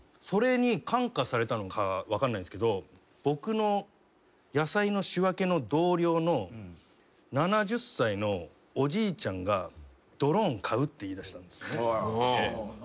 それに感化されたのか分かんないんすけど僕の野菜の仕分けの同僚の７０歳のおじいちゃんがドローン買うって言いだしたんですね。